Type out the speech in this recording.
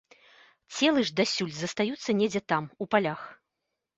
Целы ж дасюль застаюцца недзе там, у палях.